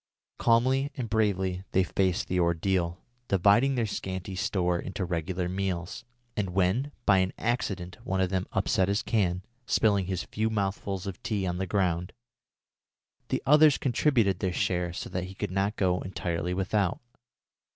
Calmly and bravely they faced the ordeal, dividing their scanty store into regular meals, and when, by an accident one of them upset his can, spilling his few mouthfuls of tea on the ground, the others contributed from their share so that he should not go entirely without.